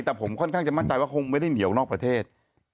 แต่ผมค่อนข้างจะมั่นใจว่าคงไม่ได้เหนียวนอกประเทศ